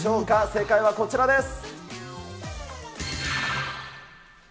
正解はこちらです。